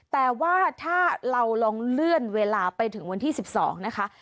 แต่ว่าถ้าเราลองเลื่อนเวลาไปถึงวันที่๑๒นะคะ